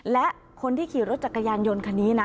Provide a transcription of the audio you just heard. และคนที่ขี่รถจักรยานยนต์คันนี้นะ